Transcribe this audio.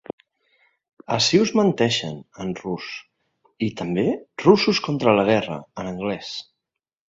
“Ací us menteixen!”, en rus; i també “Russos contra la guerra” en anglès.